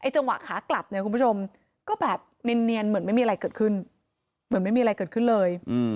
จังหวะขากลับก็แบบเนียนเหมือนไม่มีอะไรเกิดขึ้นเลย